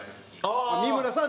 三村さん